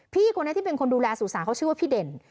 พี่คนนี้ที่เป็นคนดูแลสุสาเขาชื่อว่าพี่เด่น